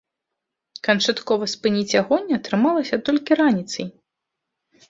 Канчаткова спыніць агонь атрымалася толькі раніцай.